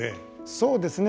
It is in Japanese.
そうですね。